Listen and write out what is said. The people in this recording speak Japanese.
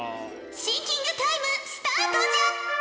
シンキングタイムスタートじゃ！